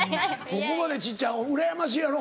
ここまで小っちゃいうらやましいやろ？